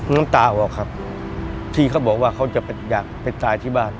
น้ำตาออกครับที่เขาบอกว่าเขาจะอยากไปตายที่บ้าน